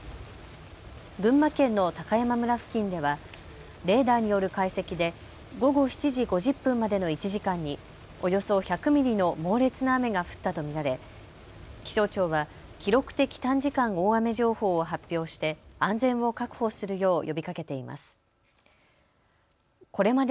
群馬県の高山村付近ではレーダーによる解析で午後７時５０分までの１時間におよそ１００ミリの猛烈な雨が降ったと見られ気象庁は記録的短時間大雨情報を発表して安全を確保するよう呼びかけています。